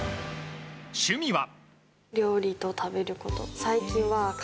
趣味は。